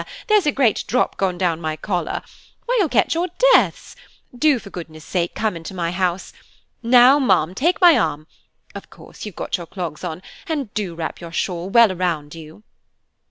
there's a great drop gone down my collar. Why, you'll catch your deaths. Do, for goodness' sake, come into my house. Now, ma'am, take my arm–of course you've got your clogs on, and do wrap your shawl well round you."